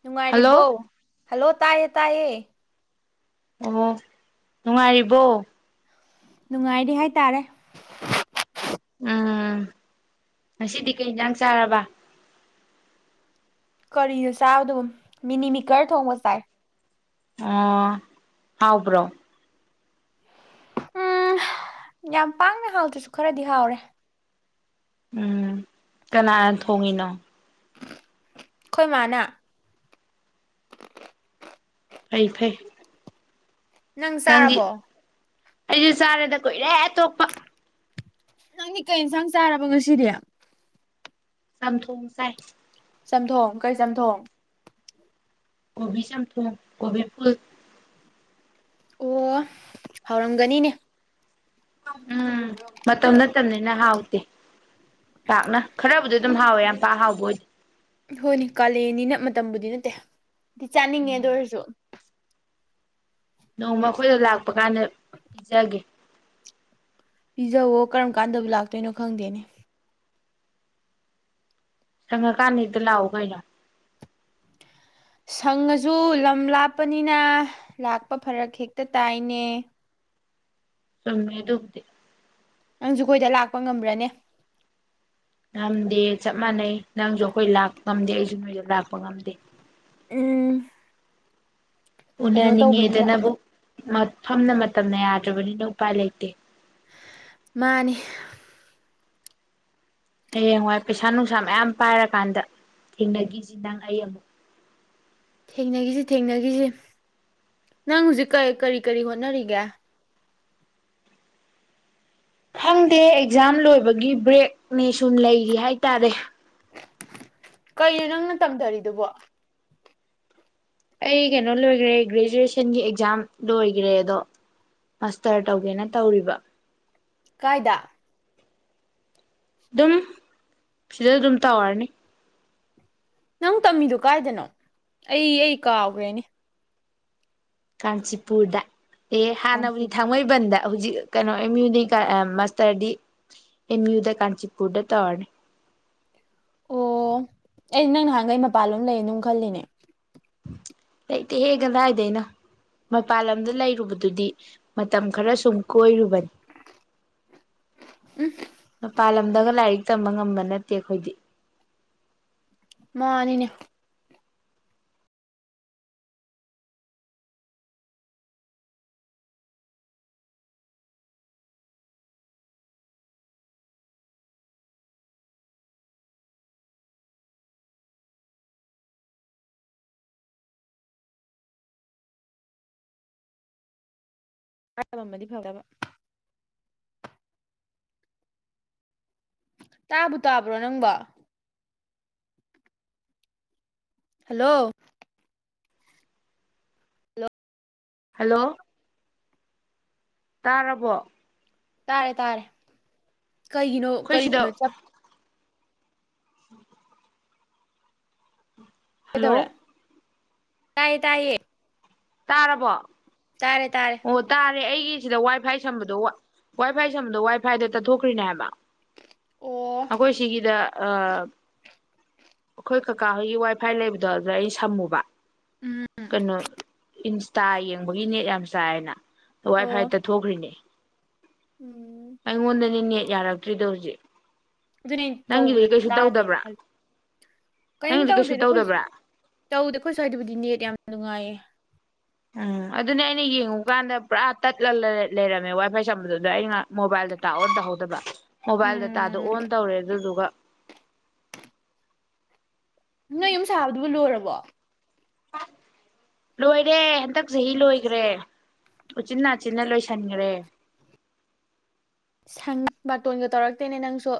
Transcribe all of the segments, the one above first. ꯅꯨꯡꯉꯥꯏꯔꯤꯕꯣ hello hello ꯇꯥꯏꯔꯦ ꯇꯥꯏꯌꯦ ꯑꯣ ꯅꯨꯡꯉꯥꯏꯔꯤꯕꯣ ꯅꯨꯡꯉꯥꯏꯔꯤ ꯍꯥꯏꯇꯥꯔꯦ ꯎꯝ ꯉꯁꯤꯗꯤ ꯀꯩ ꯏꯟꯖꯥꯡ ꯆꯥꯔꯕ ꯀꯔꯤꯅꯣ ꯆꯥꯕꯗꯨꯕ ꯃꯤꯅꯤꯃꯤꯀꯔ ꯊꯣꯡꯕ ꯆꯥꯏ ꯑꯣ ꯍꯥꯎꯕ꯭ꯔꯣ ꯎꯨꯝ ꯌꯥꯝ ꯄꯥꯛꯅ ꯍꯥꯎꯗ꯭ꯔꯁꯨ ꯈꯔꯗꯤ ꯍꯥꯎꯔꯦ ꯎꯨꯝ ꯀꯅꯥꯅ ꯊꯣꯡꯉꯤꯅꯣ ꯑꯈꯣꯏ ꯃꯥꯅ ꯐꯩ-ꯐꯩ ꯅꯪ ꯆꯥꯔꯕꯣ ꯑꯩꯗꯤ ꯆꯥꯔꯦꯗ ꯀꯨꯏꯔꯦ ꯇꯣꯛꯄ ꯅꯪꯗꯤ ꯀꯩ ꯏꯟꯁꯥꯡ ꯆꯥꯔꯕ ꯉꯁꯤꯗꯤ ꯆꯝꯊꯣꯡ ꯆꯥꯏ ꯆꯝꯊꯣꯡ ꯀꯔꯤ ꯆꯝꯊꯣꯡ ꯀꯣꯕꯤ ꯆꯝꯊꯣꯡ ꯀꯣꯕꯤ ꯐꯨꯜ ꯑꯣꯍ-ꯍꯥꯎꯔꯝꯒꯅꯤꯅꯦ ꯎꯝ ꯃꯇꯝ ꯅꯅꯤꯅ ꯍꯥꯎꯇꯦ ꯄꯥꯛꯅ ꯈꯔꯕꯨꯗꯤ ꯑꯗꯨꯝ ꯍꯥꯎꯋꯦ ꯌꯥꯝ ꯄꯥꯛ ꯍꯥꯎꯕ ꯑꯣꯏꯗꯦ ꯍꯣꯏꯅꯦ ꯀꯥꯂꯦꯟꯅꯤꯅ ꯃꯇꯝꯕꯨꯗꯤ ꯅꯠꯇꯦ ꯑꯗꯨ ꯆꯥꯅꯤꯡꯉꯦ ꯎꯝ ꯑꯥꯗꯨꯑꯣꯏꯔꯁꯨ ꯅꯣꯡꯃ ꯑꯩꯈꯣꯏꯗ ꯂꯥꯛꯄ ꯀꯥꯟꯗ ꯄꯤꯖꯒꯦ ꯄꯤꯖꯋꯣ ꯀꯔꯝ ꯀꯥꯟꯗꯕꯨ ꯂꯥꯛꯇꯣꯏꯅꯣ ꯈꯪꯗꯦꯅꯦ ꯁꯪꯉꯀꯥꯟꯗ ꯂꯥꯛꯑꯣ ꯀꯩꯅꯣ ꯁꯪꯉꯁꯨ ꯂꯝ ꯂꯥꯞꯄꯅꯤꯅ ꯂꯥꯛꯄ ꯐꯔꯛ ꯍꯦꯛꯇ ꯇꯥꯏꯅꯦ ꯆꯨꯝꯃꯤ ꯑꯗꯨꯕꯨꯗꯤ ꯅꯪꯖꯨ ꯑꯩꯈꯣꯌꯗꯥ ꯂꯥꯛꯄ ꯉꯝꯕ꯭ꯔꯅꯦ ꯉꯝꯗꯦ ꯆꯞ ꯃꯥꯟꯅꯩ ꯅꯪꯁꯨ ꯑꯩꯈꯣꯏ ꯂꯥꯛꯄ ꯉꯝꯗꯦ ꯑꯩꯁꯨ ꯅꯣꯏꯗ ꯂꯥꯛꯄ ꯉꯝꯗꯦ ꯎꯝ ꯎꯅ ꯀꯩꯅꯣ ꯇꯧꯕꯅꯤꯅ ꯅꯤꯡꯉꯦꯗꯕꯨ ꯃꯐꯝꯅ ꯃꯇꯝꯅ ꯌꯥꯗ꯭ꯔꯕꯅꯤꯅ ꯎꯄꯥꯏ ꯂꯩꯇꯦ ꯃꯥꯅꯤ ꯍꯌꯦꯡꯋꯥꯏ ꯄꯩꯁꯥ ꯅꯨꯡꯁꯥ ꯃꯌꯥꯝ ꯄꯥꯏꯔꯀꯥꯟꯗ ꯊꯦꯡꯅꯈꯤꯁꯤ ꯅꯪ ꯑꯩ ꯑꯃꯨꯛ ꯊꯦꯡꯅꯈꯤꯁꯤ ꯊꯦꯡꯅꯈꯤꯁꯤ ꯅꯪ ꯍꯧꯖꯤꯛ ꯀꯔꯤ ꯀꯔꯤ ꯍꯣꯠꯅꯔꯤꯒꯦ ꯈꯪꯗꯦ ꯑꯦꯛꯖꯥꯝ ꯂꯣꯏꯕꯒꯤ ꯕ꯭ꯔꯦꯛꯅꯦ ꯁꯨꯝ ꯂꯩꯔꯤ ꯍꯥꯏꯇꯥꯔꯦ ꯀꯩꯅꯣ ꯅꯪꯅ ꯇꯝꯊꯔꯤꯗꯨꯕꯣ ꯑꯩ ꯀꯩꯅꯣ ꯂꯣꯏꯈ꯭ꯔꯦ ꯒ꯭ꯔꯦꯖꯨꯑꯦꯁꯟꯒꯤ ꯑꯦꯛꯖꯥꯝ ꯂꯣꯏꯈ꯭ꯔꯦ ꯑꯗꯣ ꯃꯥꯁꯇꯔ ꯇꯧꯒꯦꯅ ꯇꯧꯔꯤꯕ ꯀꯥꯏꯗ ꯑꯗꯨꯝ ꯁꯤꯗ ꯑꯗꯨꯝ ꯇꯧꯔꯅꯤ ꯅꯪ ꯇꯝꯃꯤꯗꯨꯣ ꯀꯥꯏꯗꯅꯣ ꯑꯩ ꯑꯩ ꯀꯥꯎꯈ꯭ꯔꯦꯅꯦ ꯀꯟꯆꯤꯄꯨꯔꯗ ꯑꯦ ꯀꯥꯟꯆꯤ ꯍꯥꯟꯅꯕꯨꯗꯤ ꯊꯥꯡꯃꯩꯕꯟꯗ ꯍꯧꯖꯤꯛ ꯀꯩꯅꯣ ꯑꯦꯝ ꯌꯨ ꯃꯁꯇꯔꯗꯤ ꯑꯦꯝꯌꯨꯗ ꯀꯥꯟꯆꯤꯄꯨꯔꯗ ꯇꯧꯔꯅꯤ ꯑꯣ ꯑꯩ ꯅꯪ ꯅꯍꯥꯟꯈꯩ ꯃꯄꯜꯂꯣꯝ ꯂꯩ ꯑꯗꯨꯝ ꯈꯜꯂꯤꯅꯦ ꯂꯩꯇꯦ ꯍꯦꯛ ꯀꯗꯥꯏꯗ ꯑꯩꯅ ꯃꯄꯜ ꯂꯝꯗ ꯂꯩꯔꯨꯕꯗꯨꯗꯤ ꯃꯇꯝ ꯈꯔ ꯁꯨꯝ ꯀꯣꯏꯔꯨꯕ ꯃꯄꯥꯜ ꯂꯝꯗꯒꯥ ꯇꯝꯕ ꯉꯝꯕ ꯅꯠꯇꯦ ꯑꯩꯈꯣꯏꯗꯤ ꯃꯥꯅꯤꯅꯦ ꯐ ꯑꯃꯗꯤꯗꯤ ꯐꯕ ꯇꯥꯕꯨ ꯇꯥꯕ꯭ꯔꯣ ꯅꯪꯕ ꯍꯜꯂꯣ ꯍꯜꯂꯣ ꯍꯜꯂꯣ ꯇꯥꯔꯕꯣ ꯇꯥꯔꯦ ꯇꯥꯔꯦ ꯀꯩꯒꯤꯅꯣ ꯑꯩꯈꯣꯏ ꯀꯔꯤꯒꯤꯅꯣ ꯆꯞ ꯎꯝ ꯍꯜꯂꯣ ꯇꯌꯦ ꯇꯌꯦ ꯇꯥꯔꯕꯣ ꯇꯥꯔꯦ ꯑꯣ ꯇꯥꯔꯦ ꯑꯩꯒꯤ ꯁꯤꯗ ꯋꯥꯏ ꯐꯥꯏ ꯁꯝꯕꯗꯣ ꯋꯥꯏ ꯐꯥꯏ ꯁꯝꯕꯗꯣ ꯋꯥꯏ ꯐꯥꯏꯗꯣ ꯇꯠꯊꯣꯛꯈ꯭ꯔꯤꯅꯦ ꯍꯥꯏꯕ ꯑꯣ ꯑꯩꯈꯣꯏ ꯁꯤꯒꯤꯗ ꯑꯈꯣꯏ ꯀꯀꯥ ꯍꯣꯏꯒꯤ ꯋꯥꯏ ꯐꯥꯏ ꯂꯩꯕꯗꯣ ꯑꯗꯨꯗ ꯑꯩ ꯁꯝꯃꯨꯕ ꯎꯝ ꯀꯩꯅꯣ ꯏꯟ ꯇꯥ ꯌꯦꯡꯕꯒꯤ ꯅꯦꯠ ꯌꯥꯝ ꯆꯥꯏꯅꯥ ꯑꯣ ꯋꯥꯏꯐꯥꯏꯇ ꯊꯣꯛꯈ꯭ꯔꯤꯅꯦ ꯎꯝ ꯑꯩꯉꯣꯟꯗꯗꯤꯅꯦ ꯌꯥꯔꯛꯇ꯭ꯔꯤꯗꯣ ꯍꯧꯖꯤꯛ ꯑꯗꯨꯅꯦ ꯀꯧꯕꯗ ꯅꯪꯒꯤꯗꯤ ꯀꯩꯁꯨ ꯇꯥꯗꯦꯅ ꯇꯧꯗꯕ꯭ꯔꯥ ꯈꯜꯂꯤ ꯀꯔꯤꯝ ꯅꯪꯒꯤꯗꯤ ꯀꯩꯁꯨ ꯇꯧꯗꯦꯗ ꯑꯩꯈꯣꯏ ꯇꯧꯗꯕ꯭ꯔꯥ ꯇꯧꯗ ꯑꯩꯈꯣꯏ ꯁ꯭ꯋꯥꯏꯗꯕꯨꯗꯤ ꯅꯦꯠ ꯌꯥꯝ ꯅꯨꯡꯉꯥꯏꯌꯦ ꯎꯝ ꯑꯗꯨꯅꯦ ꯑꯩꯅ ꯌꯦꯡꯉꯨꯀꯥꯟꯗ ꯄꯨꯔꯥ ꯇꯠꯂ ꯂꯩꯔꯝꯃꯦ ꯋꯥꯏ ꯐꯥꯏ ꯆꯝꯕꯗꯨꯗ ꯑꯩꯅ ꯃꯣꯕꯥꯏꯜ ꯗꯇꯥ ꯑꯣꯟ ꯇꯧꯍꯧꯗꯕ ꯃꯣꯕꯥꯏꯜ ꯗꯇꯥꯗꯣ ꯎꯝ ꯑꯣꯟ ꯇꯧꯔꯦ ꯑꯗꯨꯗꯨꯒ ꯅꯣꯏ ꯌꯨꯝ ꯁꯥꯥꯕꯗꯨꯕꯨ ꯂꯣꯏꯔꯕ ꯋꯥ ꯂꯣꯏꯔꯦ ꯍꯟꯗꯛ ꯆꯍꯤ ꯂꯣꯏꯈ꯭ꯔꯦ ꯎꯆꯤꯟꯅꯥꯆꯤꯟꯅ ꯂꯣꯏꯁꯤꯟꯒ꯭ꯔꯦ ꯁꯪ ꯕꯥꯇꯣꯟꯒ ꯇꯧꯔꯛꯇꯦꯅꯦ ꯅꯪꯁꯨ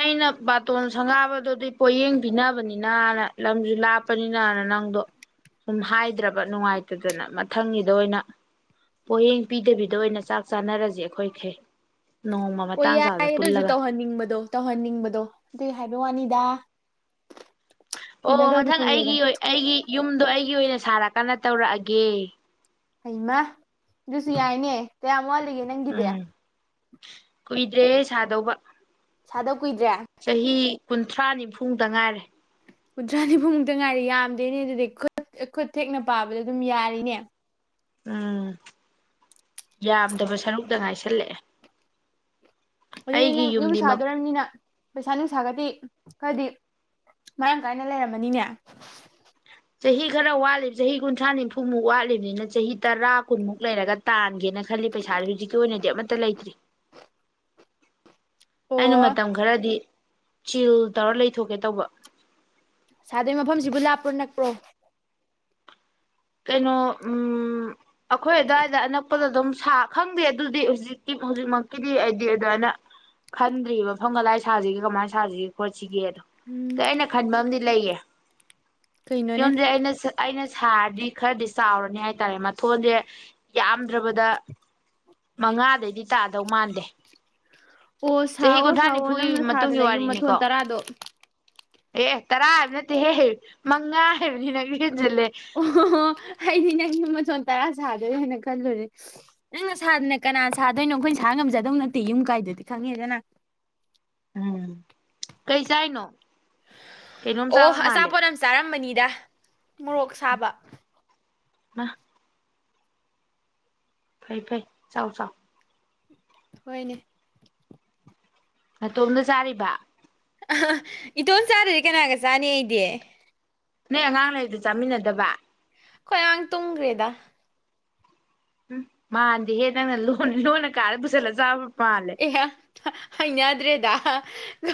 ꯑꯩꯅ ꯕꯥꯇꯣꯟ ꯁꯪꯒꯥꯕꯗꯨꯗꯤ ꯄꯣꯌꯦꯡ ꯄꯤꯅꯕꯅꯤꯅꯅ ꯂꯝꯁꯨ ꯂꯥꯞꯄꯅꯤꯅꯅ ꯅꯪꯗꯣ ꯁꯨꯝ ꯍꯥꯏꯗ꯭ꯔꯕ ꯅꯨꯡꯉꯥꯏꯇꯗꯅ ꯃꯊꯪꯒꯤꯗ ꯑꯣꯏꯅ ꯄꯣꯌꯦꯡ ꯄꯤꯗꯕꯤꯗ ꯑꯣꯏꯅ ꯆꯥꯛ ꯆꯥꯅꯔꯁꯦ ꯑꯩꯈꯣꯏꯈꯩ ꯅꯣꯡꯃ ꯑꯣ ꯃꯇꯥꯡ ꯆꯥꯕꯗ ꯌꯥꯏ ꯑꯗꯨꯁꯨ ꯄꯨꯜꯂꯒ ꯇꯧꯍꯟꯅꯤꯡꯕꯗꯣ ꯇꯧꯍꯟꯅꯤꯡꯕꯗꯣ ꯑꯗꯣ ꯑꯗꯨꯏ ꯍꯥꯏꯕ ꯋꯥꯅꯤꯗ ꯑꯣ ꯎꯅꯗꯕꯁꯨ ꯃꯊꯪ ꯑꯩꯒꯤ ꯀꯨꯏꯔꯦꯗꯅ ꯑꯣꯏ ꯑꯩꯒꯤ ꯌꯨꯝꯗꯣ ꯑꯩꯒꯤ ꯑꯣꯏꯅ ꯁꯥꯔꯀꯥꯟꯗ ꯇꯧꯔꯛꯑꯒꯦ ꯍꯩꯃ ꯑꯗꯨ ꯁꯤ ꯌꯥꯏꯅꯦ ꯀꯌꯥꯝ ꯋꯥꯠ ꯒꯦ ꯅꯪꯒꯤꯗꯤ ꯎꯝ ꯀꯨꯏꯗ꯭ꯔꯦ ꯁꯥꯗꯧꯕ ꯁꯥꯗꯧ ꯀꯨꯏꯗ꯭ꯔꯦ ꯆꯍꯤ ꯀꯨꯟꯊ꯭ꯔꯥ ꯅꯤꯝꯐꯨꯗ ꯉꯥꯏꯔꯦ ꯀꯨꯟꯊ꯭ꯔꯥ ꯅꯤꯐꯨꯃꯨꯛꯇ ꯉꯥꯏꯔꯦ ꯌꯥꯝꯗꯦꯅꯦ ꯑꯗꯨꯗꯤ ꯈꯨꯠ ꯈꯨꯠ ꯊꯦꯛꯅ ꯄꯥꯕꯗ ꯑꯗꯨꯝ ꯌꯥꯔꯤꯅꯦ ꯎꯝ ꯌꯥꯝꯗꯕ ꯁꯔꯨꯛꯇ ꯉꯥꯏꯁꯜꯂꯛꯑꯦ ꯑꯗꯨ ꯑꯩꯒꯤ ꯅꯪ ꯌꯨꯝ ꯌꯨꯝꯗꯤ ꯃꯛ ꯁꯥꯗꯣꯔꯝꯅꯤꯅ ꯄꯩꯁꯥ ꯅꯨꯡ ꯁꯥꯒꯗꯤ ꯈꯔꯗꯤ ꯃꯔꯥꯡ ꯀꯥꯏꯅ ꯂꯩꯔꯝꯃꯅꯤꯅꯦ ꯆꯍꯤ ꯈꯔ ꯋꯥꯠꯂꯤꯕ ꯆꯍꯤ ꯀꯨꯟꯊ꯭ꯔꯥ ꯅꯤꯐꯨꯃꯨꯛ ꯋꯥꯠꯂꯤꯕꯅꯤꯅ ꯆꯍꯤ ꯇꯔꯥ ꯀꯨꯟꯃꯨꯛ ꯂꯩꯔꯒ ꯇꯥꯟꯒꯦꯅ ꯈꯜꯂꯤ ꯄꯩꯁꯥꯥꯁꯦ ꯍꯧꯖꯤꯛꯀꯤ ꯑꯣꯏꯅꯗꯤ ꯑꯃꯠꯇ ꯂꯩꯇ꯭ꯔꯤ ꯑꯣ ꯑꯩꯅ ꯃꯇꯝ ꯈꯔꯗꯤ ꯆꯤꯜ ꯇꯧꯔ ꯂꯩꯊꯣꯛꯀꯦ ꯇꯧꯕ ꯁꯥꯗꯣꯏ ꯃꯐꯝꯁꯤꯕꯨ ꯂꯥꯞꯄ꯭ꯔꯣ ꯅꯛꯄ꯭ꯔꯣ ꯀꯩꯅꯣ ꯎꯝ ꯑꯩꯈꯣꯏ ꯑꯗꯨꯋꯥꯏꯗ ꯑꯅꯛꯄꯗ ꯑꯗꯨꯝ ꯁꯥ ꯈꯪꯗꯦ ꯑꯗꯨꯗꯤ ꯍꯧꯖꯤꯛꯀꯤ ꯍꯧꯖꯤꯛꯃꯛꯀꯤꯗꯤ ꯑꯩꯗꯤ ꯑꯗꯨꯃꯥꯏꯅ ꯈꯟꯗ꯭ꯔꯤꯔꯤꯕ ꯃꯐꯝ ꯀꯗꯥꯥꯏ ꯁꯥꯁꯤꯒꯦ ꯀꯃꯥꯏꯅ ꯁꯥꯁꯤꯒꯦ ꯈꯣꯠꯁꯤꯒꯦ ꯎꯝ ꯑꯩꯅ ꯈꯟꯕꯝꯗꯤ ꯂꯩꯌꯦ ꯀꯩꯅꯣꯅꯦ ꯌꯣꯨꯝꯖꯦ ꯑꯩꯅ ꯑꯩꯅ ꯁꯥꯔꯥꯗꯤ ꯈꯔꯗꯤ ꯆꯥꯎꯔꯅꯤ ꯍꯥꯏꯇꯥꯔꯦ ꯃꯊꯣꯟꯖꯦ ꯌꯥꯝꯗ꯭ꯔꯕꯗ ꯃꯉꯥꯗꯩꯗꯤ ꯇꯥꯗꯧ ꯃꯥꯟꯗꯦ ꯑꯣ ꯆꯍꯤ ꯁꯥꯋꯣ ꯀꯨꯟꯊ꯭ꯔꯥ ꯁꯥꯋꯣ ꯅꯤꯐꯨꯒꯤ ꯅꯪꯅ ꯃꯇꯨꯡꯒꯤ ꯁꯥꯗꯅ ꯌꯨꯝ ꯋꯥꯔꯤꯅꯤꯀꯣ ꯃꯊꯣꯟ ꯇꯔꯥꯗꯣ ꯑꯦ-ꯑꯦ ꯇꯥꯔꯥ ꯍꯥꯏꯕ ꯅꯠꯇꯦꯍꯦ ꯃꯪꯉꯥ ꯍꯥꯏꯕꯅꯤ ꯅꯪꯖꯨ ꯑꯣ-ꯍꯣ-ꯍꯣ ꯑꯩꯗꯤ ꯅꯪ ꯌꯨꯝ ꯃꯊꯣꯟ ꯇꯥꯔꯥ ꯁꯥꯗꯣꯏ ꯑꯣꯏꯅ ꯈꯜꯂꯨꯔꯦ ꯁ ꯅꯪꯅ ꯁꯥꯗꯥꯅ ꯀꯅꯥꯅ ꯁꯥꯗꯣꯏꯅꯣ ꯑꯩꯈꯣꯏꯅ ꯁꯥ ꯉꯝꯖꯗꯣ ꯅꯠꯇꯦ ꯌꯨꯝꯀꯥꯏꯗꯨꯗꯤ ꯈꯪꯉꯦꯗꯅ ꯎꯝ ꯀꯩ ꯆꯥꯏꯅꯣ ꯀꯩꯅꯣꯝ ꯑꯣ ꯆꯥꯕ ꯃꯥꯜꯂꯦ ꯑꯆꯥꯄꯣꯠ ꯑꯝ ꯆꯥꯔꯝꯃꯅꯤ ꯗ ꯃꯣꯔꯣꯛ ꯁꯥꯕ ꯏꯃꯥ ꯐꯩ-ꯐꯩ ꯆꯥꯎ-ꯆꯥꯎ ꯍꯣꯏꯅꯦ ꯅꯇꯣꯝꯗ ꯆꯥꯔꯤꯕ ꯑꯍ-ꯏꯇꯣꯝ ꯆꯥꯗ꯭ꯔꯗꯤ ꯀꯅꯥꯒꯥ ꯆꯥꯅꯤ ꯑꯩꯗꯤ ꯅꯣꯏ ꯑꯉꯥꯡ ꯂꯩꯔꯤꯗꯨ ꯆꯥꯃꯤꯟꯅꯗꯕ ꯑꯈꯣꯏ ꯑꯉꯥꯡ ꯇꯨꯝꯒ꯭ꯔꯦꯗ ꯎꯍ-ꯃꯥꯟꯗꯦꯍꯦ ꯅꯪꯅ ꯂꯣꯟ-ꯂꯣꯟꯅ ꯀꯥꯗꯥ ꯄꯨꯖꯤꯜꯂ ꯆꯥꯕ ꯃꯥꯜꯂꯦ ꯑꯍꯥ ꯍꯩꯅꯗ꯭ꯔꯦꯗ [inaudible]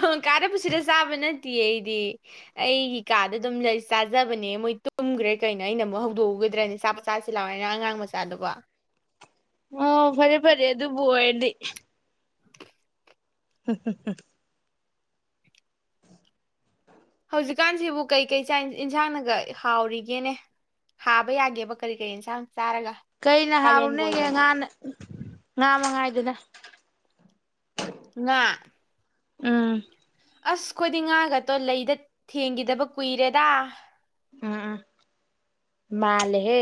ꯍꯣ ꯐꯔꯦ-ꯐꯔꯦ ꯑꯗꯨꯕꯨ ꯑꯣꯏꯔꯗꯤ ꯍꯥ-ꯍꯥ-ꯍꯥ ꯍꯧꯖꯤꯛꯀꯥꯟꯁꯤꯕꯨ ꯀꯩ-ꯀꯩ ꯆꯥꯏ-ꯏꯟꯁꯥꯡꯅꯒ ꯍꯥꯎꯔꯤꯒꯦꯅꯦ ꯍꯥꯕ ꯌꯥꯒꯦꯕ ꯀꯔꯤ-ꯀꯔꯤ ꯑꯦꯟꯁꯥꯡ ꯀꯩꯅ ꯍꯥꯎꯔꯨꯅꯦꯒꯦ ꯉꯥꯅ ꯉꯥꯃꯉꯥꯏꯗꯅ ꯉꯥ ꯎꯨꯝ ꯑꯁ ꯈꯣꯏꯗꯤ ꯉꯥꯒꯥꯛꯇꯣ ꯂꯩꯗ ꯊꯦꯡꯒꯤꯗꯕ ꯀꯨꯏꯔꯦꯗ ꯎꯝ-ꯎꯝ ꯃꯥꯜꯂꯦꯍꯦ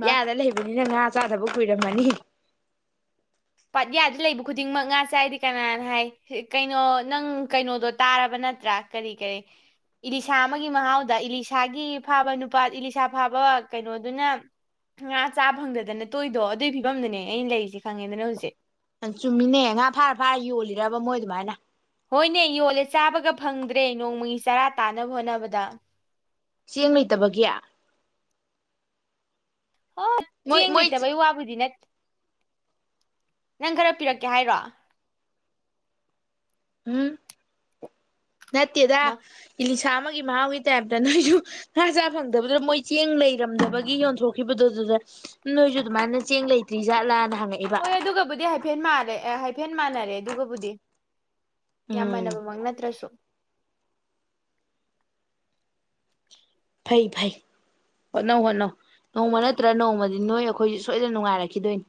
ꯃꯥ ꯂꯩꯕ ꯂꯣꯏꯅ ꯉꯥ ꯆꯥꯗꯕ ꯀꯨꯏꯔꯝꯃꯅꯤ ꯄꯥꯠꯍꯥꯗ ꯂꯩꯕ ꯈꯨꯗꯤꯡꯃꯛ ꯉꯥ ꯆꯥꯏꯗꯤ ꯀꯅꯥꯅ ꯍꯥꯏ ꯍ ꯀꯩꯅꯣ ꯅꯪ ꯀꯩꯅꯣꯗꯨ ꯇꯥꯔꯕ ꯅꯠꯇ꯭ꯔ ꯀꯔꯤ-ꯀꯔꯤ ꯏꯂꯤꯁꯥ ꯑꯃꯒꯤ ꯃꯍꯥꯎꯗ ꯏꯂꯤꯁꯥꯒꯤ ꯐꯥꯕꯥ ꯅꯨꯄ ꯏꯂꯤꯁꯥ ꯐꯥꯕ ꯀꯩꯅꯣꯗꯨꯅ ꯉꯥ ꯆꯥꯕ ꯐꯪꯗꯗꯅ ꯇꯣꯛꯏꯗꯣ ꯑꯗꯨꯏ ꯐꯤꯕꯝꯗꯨꯅꯦ ꯑꯩꯅ ꯂꯩꯔꯤꯁꯦ ꯈꯪꯉꯦꯗꯅ ꯍꯧꯖꯤꯛ ꯑꯦ ꯌꯥ ꯆꯨꯝꯃꯤꯅꯦ ꯉꯥ ꯐꯥꯔ-ꯐꯥꯔ ꯌꯣꯜꯂꯤꯔꯕ ꯃꯣꯏ ꯑꯗꯨꯃꯥꯏꯅ ꯍꯣꯏꯅꯦ ꯌꯣꯜꯂꯦ ꯆꯥꯕꯒ ꯐꯪꯗ꯭ꯔꯦ ꯅꯣꯡꯃꯒꯤ ꯆꯥꯔꯥ ꯇꯥꯟꯅꯕ ꯍꯣꯠꯅꯕꯗ ꯆꯦꯡ ꯂꯩꯇꯕꯒꯤ ꯃꯣꯏ ꯑꯣ‌ꯆꯦꯡ ꯃꯣꯏ ꯂꯩꯇꯕꯩ ꯋꯥꯕꯨꯗꯤ ꯅꯠ ꯅꯪ ꯈꯔꯥ ꯄꯤꯔꯛꯀꯦ ꯍꯥꯏꯔꯣ ꯍꯝ ꯅꯥꯇꯦꯗꯥ ꯑꯃ ꯑꯦꯂꯤꯁ ꯑꯦꯂꯤꯁꯥ ꯑꯃꯒꯤ ꯃꯍꯧꯒꯤ ꯇꯨꯄꯦ ꯇꯥ ꯅꯣꯏꯁꯨ ꯉꯥ ꯆꯥ ꯐꯪꯗꯕꯗꯨꯗꯥ ꯃꯣꯏ ꯆꯦꯡ ꯂꯩꯔꯝꯗꯕꯒꯤ ꯌꯣꯟꯊꯣꯛ ꯈꯤꯕꯗꯨ ꯑꯗꯨꯗ ꯅꯣꯏꯁꯨ ꯑꯗꯨꯃꯥꯏꯅ ꯆꯦꯡ ꯂꯩꯇꯔꯤꯖꯠꯂꯅ ꯍꯣꯏ ꯑꯗꯨꯒꯕꯨ ꯍꯥꯏꯐꯦꯠ ꯃꯅꯩ ꯑꯦ ꯃꯅꯥꯔꯦ ꯑꯗꯨꯒꯥꯕꯨꯗꯤ ꯌꯥꯝ ꯎꯝ ꯃꯅꯥꯕꯥꯃꯛ ꯅꯥꯠꯔꯁꯨ ꯐꯩ ꯐꯩ ꯍꯣꯠꯅꯧ ꯍꯣꯠꯅꯧ ꯅꯣꯡꯃ ꯅꯠꯇ꯭ꯔ ꯅꯣꯡꯃꯗꯤ ꯅꯣꯏ ꯑꯩꯈꯣꯏꯁꯤ ꯁꯣꯏꯗꯅ ꯅꯨꯡꯉꯥꯏꯔꯛꯈꯤꯗꯣꯏꯅꯤ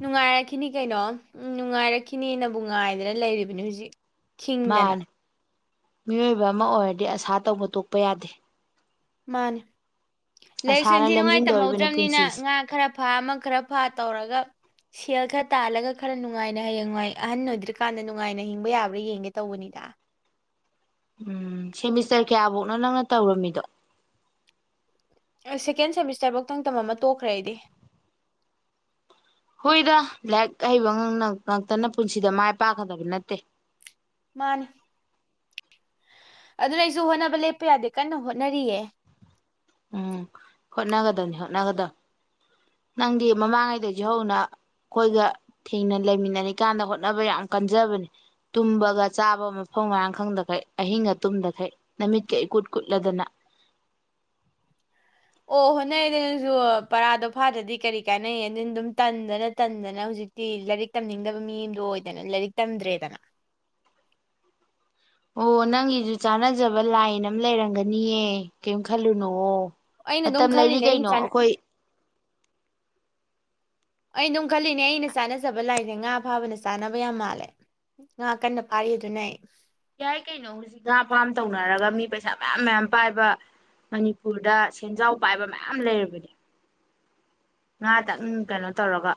ꯅꯨꯡꯉꯥꯏꯔꯛꯈꯤꯅꯤ ꯀꯩꯅꯣ ꯎꯝ ꯅꯨꯡꯉꯥꯏꯔꯛꯈꯤꯅꯦꯅꯕꯨ ꯉꯥꯏꯗꯅ ꯂꯩꯔꯤꯕꯅꯤ ꯍꯧꯖꯤꯛ ꯈꯈꯤꯡꯗꯅ ꯃꯥꯅꯦ ꯃꯤꯑꯣꯏꯕ ꯑꯃ ꯑꯣꯏꯔꯗꯤ ꯑꯁꯥ ꯇꯧꯕ ꯇꯣꯛꯄ ꯌꯥꯗꯦ ꯃꯥꯅꯦ ꯂꯥꯏꯔꯤꯛꯁꯨ ꯑꯁꯥꯅ ꯏꯟꯊꯤ ꯅꯨꯡꯉꯥꯏ ꯂꯝꯖꯤꯡꯗꯧꯔꯤꯕꯅꯤ ꯇꯝꯍꯧꯗ꯭ꯔꯕꯅꯤꯅ ꯄꯨꯟꯁꯤꯁꯦ ꯉꯥ ꯈꯔ ꯐꯥ ꯑꯃ ꯈꯔ ꯐꯥ ꯇꯧꯔꯒ ꯁꯦꯜ ꯈꯔ ꯇꯥꯜꯂꯒ ꯈꯔ ꯅꯨꯡꯉꯥꯏꯅ ꯍꯌꯦꯡꯋꯥꯏ ꯑꯍꯟ ꯑꯣꯏꯗ꯭ꯔꯀꯥꯟꯗ ꯅꯨꯡꯉꯥꯏꯅ ꯍꯤꯡꯕ ꯌꯥꯕ꯭ꯔꯥ ꯌꯦꯡꯒꯦ ꯇꯧꯕꯅꯤꯗ ꯎꯝ ꯁꯦꯃꯤꯁꯇꯔ ꯀꯌꯥ ꯐꯧꯅ ꯅꯪꯅ ꯇꯧꯔꯝꯃꯤꯗꯣ ꯁꯦꯀꯦꯟ ꯁꯦꯃꯤꯁꯇꯔꯐꯧ ꯊꯪ ꯇꯝ ꯑꯃ ꯇꯣꯛꯈ꯭ꯔ ꯑꯩꯗꯤ ꯍꯨꯏꯗ ꯂꯥꯏꯔꯤꯛ ꯍꯩꯕ ꯉꯇꯅ ꯄꯨꯟꯁꯤꯗ ꯃꯥꯏ ꯄꯥꯛꯀꯗꯕ ꯅꯠꯇꯦ ꯃꯥꯅꯤ ꯑꯗꯨꯅ ꯑꯩꯁꯨ ꯍꯣꯠꯅꯕ ꯂꯦꯞꯄ ꯌꯥꯗꯦ ꯀꯟꯅ ꯍꯣꯠꯅꯔꯤꯌꯦ ꯎꯝ ꯍꯣꯠꯅꯒꯗꯅꯤ ꯍꯣꯠꯅꯒꯗꯕ ꯅꯪꯗꯤ ꯃꯃꯥꯡꯉꯩꯗꯒꯤꯗꯒꯤ ꯍꯧꯅ ꯑꯩꯈꯣꯏꯒ ꯊꯦꯡꯅ ꯂꯩꯃꯤꯟꯅꯔꯤꯀꯥꯟꯗ ꯍꯣꯠꯅꯕ ꯌꯥꯝ ꯀꯟꯖꯕꯅꯦ ꯇꯨꯝꯕꯒ ꯆꯥꯕ ꯃꯐꯝ ꯃꯔꯥꯡ ꯈꯪꯗꯈꯩ ꯑꯍꯤꯡꯒ ꯇꯨꯝꯗꯈꯩ ꯅꯨꯃꯤꯠꯀ ꯏꯀꯨꯠ ꯀꯨꯠꯂꯗꯅ ꯑꯣ ꯍꯣꯠꯅꯩꯗ ꯅꯪꯁꯨ ꯄꯔꯥꯗꯣ ꯐꯥꯗ꯭ꯔꯗꯤ ꯀꯔꯤ ꯀꯥꯟꯅꯩ ꯑꯗꯨ ꯑꯗꯨꯝ ꯇꯟꯗꯅ ꯇꯟꯗꯅ ꯍꯧꯖꯤꯛꯇꯤ ꯂꯥꯏꯔꯤꯛ ꯇꯝꯅꯤꯡꯗꯕ ꯃꯤ ꯑꯗꯣ ꯑꯣꯏꯗꯅ ꯂꯥꯏꯔꯤꯛ ꯇꯝꯗ꯭ꯔꯦꯗꯅ ꯑꯣ ꯅꯪꯒꯤꯁꯨ ꯆꯥꯟꯅꯖꯕ ꯂꯥꯏꯟ ꯑꯃ ꯂꯩꯔꯝꯒꯅꯤꯌꯦ ꯀꯔꯤꯝ ꯈꯜꯂꯨꯅꯨ ꯑꯩꯅ ꯑꯗꯨꯝ ꯃꯇꯝ ꯂꯩꯔꯤ ꯈꯜꯂꯤꯅꯦ ꯑꯩꯒꯤ ꯀꯩꯅꯣ ꯆꯥꯅ ꯑꯈꯣꯏ ꯑꯩ ꯑꯗꯨꯝ ꯈꯜꯂꯤꯅꯦ ꯑꯩꯅ ꯆꯥꯅꯖꯕ ꯂꯥꯏꯁꯦ ꯉꯥ ꯐꯥꯕꯅ ꯆꯥꯅꯕ ꯌꯥꯝ ꯃꯥꯜꯂꯦ ꯉꯥ ꯀꯟꯅ ꯐꯥꯔꯤ ꯑꯗꯨꯅ ꯑꯩ ꯌꯥꯏ ꯀꯩꯅꯣ ꯍꯧꯖꯤꯛ ꯉꯥ ꯐꯥꯝ ꯇꯧꯅꯔꯒ ꯃꯤ ꯄꯩꯁꯥ ꯃꯌꯥꯝ ꯃꯌꯥꯝ ꯄꯥꯏꯕ ꯃꯅꯤꯄꯨꯔꯗ ꯁꯦꯟꯖꯥꯎ ꯄꯥꯏꯕ ꯃꯌꯥꯝ ꯂꯩꯔꯕꯅꯦ ꯉꯥꯇꯪ ꯀꯩꯅꯣ ꯇꯧꯔꯒ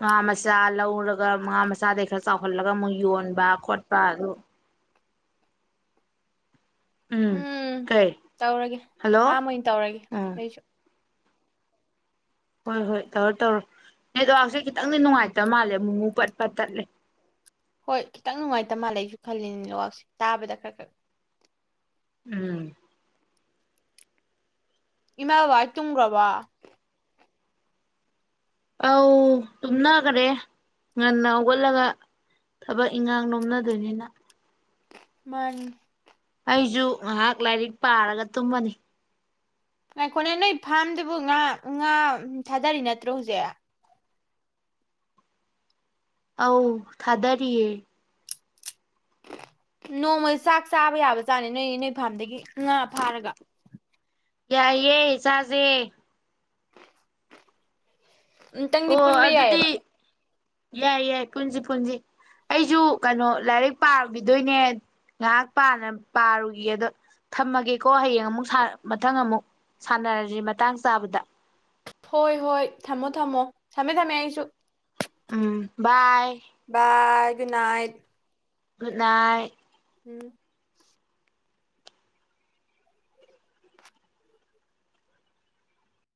ꯉꯥ ꯃꯆꯥ ꯂꯧꯔꯒ ꯉꯥ ꯃꯆꯥꯗꯒꯤ ꯈꯔ ꯆꯥꯎꯍꯜꯂꯒ ꯑꯃꯨꯛ ꯌꯣꯟꯕ ꯈꯣꯠꯄ ꯑꯗꯨ ꯎꯝ ꯀꯩ ꯇꯧꯔꯒꯦ ꯍꯂꯣ ꯐꯥꯝ ꯑꯣꯏꯅ ꯇꯧꯔꯒꯦ ꯎꯝ ꯑꯩꯁꯨ ꯍꯣꯏ ꯍꯣꯏ ꯇꯧꯔꯣ ꯇꯧꯔꯣ ꯅꯦꯠꯋꯥꯛꯁꯦ ꯈꯤꯇꯪꯗꯤ ꯅꯨꯡꯉꯥꯏꯇꯕ ꯃꯥꯜꯂꯦ ꯑꯃꯨꯡꯉꯨ ꯄꯠꯄꯠ ꯇꯠꯂꯦ ꯍꯣꯏ ꯈꯤꯇꯪ ꯅꯨꯡꯉꯥꯏꯇ ꯃꯥꯜꯂꯦꯁꯨ ꯈꯜꯂꯤ ꯂꯥꯛꯁꯦ ꯇꯥꯕꯗ ꯈꯔ ꯈꯔ ꯎꯝ ꯏꯃꯥ ꯕꯕꯥꯏ ꯇꯨꯝꯒ꯭ꯔꯕ‌ꯣ ꯑꯧ ꯇꯨꯝꯅꯒꯔꯦ ꯉꯟꯅ ꯍꯧꯒꯠꯂꯒ ꯊꯕꯛ ꯏꯟꯈꯥꯡ ꯅꯣꯝꯅꯗꯣꯏꯅꯤꯅ ꯃꯥꯅꯤ ꯑꯩꯁꯨ ꯉꯥꯏꯍꯥꯛ ꯂꯥꯏꯔꯤꯛ ꯄꯥꯔꯒ ꯇꯨꯝꯕꯅꯤ ꯉꯥꯏꯈꯣꯅꯦ ꯅꯣꯏ ꯐꯥꯝꯗꯨꯕꯨ ꯉꯥ ꯉꯥ ꯊꯥꯗꯔꯤ ꯅꯠꯇ꯭ꯔꯣ ꯍꯧꯖꯤꯛ ꯑꯧ ꯊꯥꯗꯔꯤꯌꯦ ꯅꯣꯡꯃ ꯆꯥꯛ ꯆꯥꯕ ꯌꯥꯕꯖꯥꯠꯅꯤ ꯅꯣꯏ ꯅꯣꯏ ꯐꯥꯝꯗꯒꯤ ꯉꯥ ꯐꯥꯔꯒ ꯌꯥꯏꯌꯦꯦ ꯆꯥꯥꯁꯦ ꯑꯃꯇꯪꯗꯤ ꯑꯣ ꯄꯨꯟꯕ ꯌꯥꯏꯌ‌ꯦꯕ ꯑꯗꯨꯗꯤ ꯌꯥꯏ ꯌꯥꯏ ꯄꯨꯟꯁꯤ ꯄꯨꯟꯁꯤ ꯑꯩꯁꯨ ꯀꯩꯅꯣ ꯂꯥꯏꯔꯤꯛ ꯄꯥꯔꯨꯈꯤꯗꯣꯏꯅꯦ ꯉꯥꯏꯍꯥꯛ ꯄꯥꯔꯨꯒꯤꯒ‌ꯦ ꯑꯗꯣ ꯊꯝꯃꯒꯦꯀꯣ ꯍꯌꯦꯡ ꯑꯃꯨꯛ ꯃꯊꯪ ꯑꯃꯨꯛ ꯁꯥꯟꯅꯔꯁꯤ ꯃꯇꯥꯡ ꯆꯥꯕꯗ ꯍꯣꯏ ꯍꯣꯏ ꯊꯝꯃꯣ ꯊꯝꯃꯣ ꯊꯝꯃꯦ ꯊꯝꯃꯦ ꯑꯩꯁꯨ um bye bye good night good night ꯎꯝ